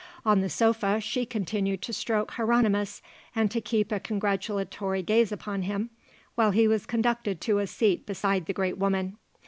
On the sofa she continued to stroke Hieronimus and to keep a congratulatory gaze upon him while he was conducted to a seat beside the great woman.